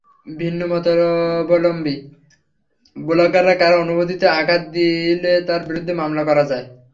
ভিন্নমতাবলম্বী ব্লগাররা কারও অনুভূতিতে আঘাত দিলে তাঁর বিরুদ্ধে মামলা করা যায়।